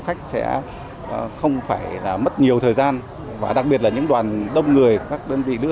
khách sẽ không phải là mất nhiều thời gian và đặc biệt là những đoàn đông người các đơn vị lữ